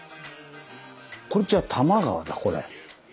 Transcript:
これじゃあ玉川だこれ。